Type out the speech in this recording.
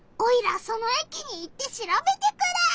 その駅に行ってしらべてくる！